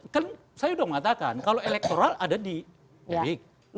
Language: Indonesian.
kan saya udah mengatakan kalau elektoral ada di erik